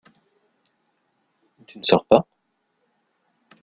Tu ne sors pas ?